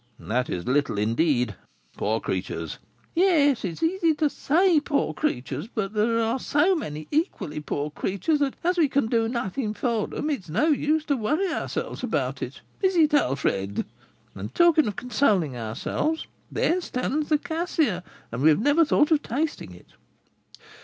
"That is little, indeed, poor creatures!" "Yes, it is easy to say poor creatures, but there are so many equally poor creatures, that, as we can do nothing for them, it is no use to worry ourselves about it, is it, Alfred? And, talking of consoling ourselves, there stands the cassia, and we have never thought of tasting it."